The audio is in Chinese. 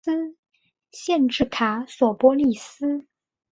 县治卡索波利斯。